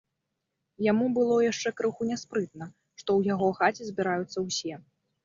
Яму было яшчэ крыху няспрытна, што ў яго хаце збіраюцца ўсе.